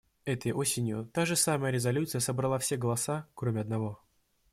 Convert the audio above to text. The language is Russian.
Этой осенью та же самая резолюция собрала все голоса, кроме одного.